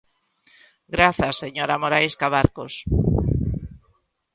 Grazas, señora Morais Cabarcos.